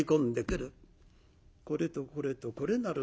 「これとこれとこれなる